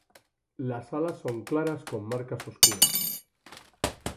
Las alas son claras con marcas oscuras.